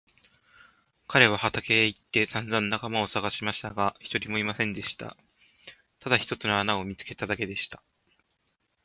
彼は畑へ行ってさんざん仲間をさがしましたが、一人もいませんでした。ただ一つの穴を見つけただけでした。